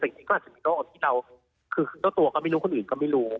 แต่จริงก็อาจจะมีโรคที่เราคือเจ้าตัวก็ไม่รู้คนอื่นก็ไม่รู้